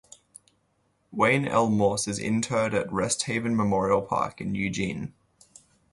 Wayne L. Morse is interred at Rest Haven Memorial Park in Eugene.